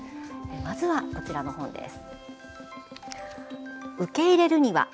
まずは、こちらの本です。